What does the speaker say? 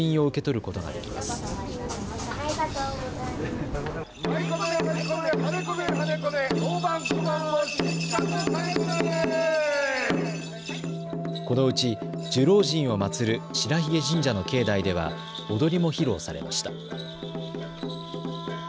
このうち寿老人をまつる白鬚神社の境内では踊りも披露されました。